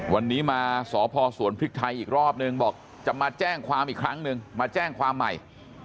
วันนี้มาสพสวนพริกไทยอีกรอบนึงบอกจะมาแจ้งความอีกครั้งหนึ่งมาแจ้งความใหม่